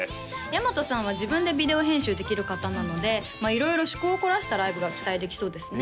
大和さんは自分でビデオ編集できる方なので色々趣向を凝らしたライブが期待できそうですね